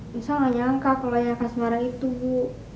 nisa gak nyangka kalau yang khas marah itu bu